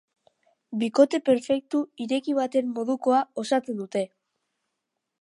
Bikote perfektu ireki baten modukoa osatzen dute.